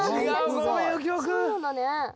そうなんだね。